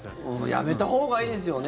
やめたほうがいいですよね。